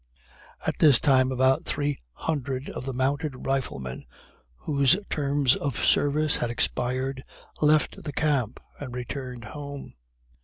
At this time about three hundred of the mounted riflemen, whose terms of service had expired, left the camp and returned home.